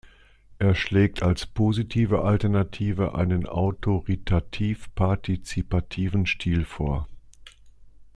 Er schlägt als positive Alternative einen „autoritativ-partizipativen Stil“ vor.